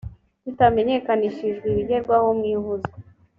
kitamenyekanishije ibigenderwaho mu ihuzwa